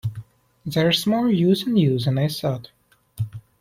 There’s more use in you than I thought.